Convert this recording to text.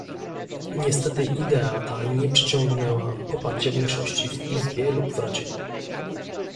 Niestety idea ta nie przyciągnęła poparcia większości w Izbie lub w Radzie